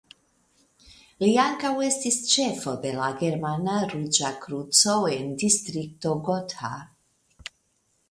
Li ankaŭ estis ĉefo de la Germana Ruĝa Kruco en Distrikto Gotha.